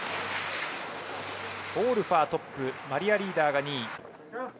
オールファーがトップリーダー、２位。